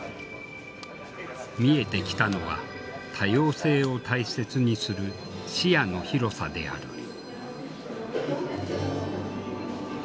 見えてきたのは多様性を大切にする視野の広さである。